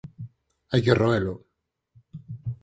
Hai que roelo!